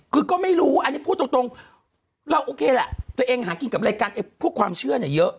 คือก็ไม่รู้อันนี้พูดตรงเราโอเคแหละตัวเองหากินกับรายการพวกความเชื่อเนี่ยเยอะ